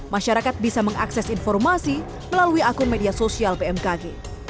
masyarakat bisa mengakses informasi melalui akun media sosial bmkg